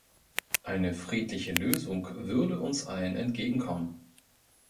Eine friedliche Lösung würde uns allen entgegenkommen.